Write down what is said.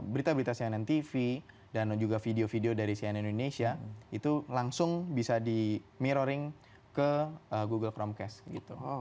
berita berita sianindonesia com dan juga video video dari sianindonesia com itu langsung bisa di mirroring ke google chromecast gitu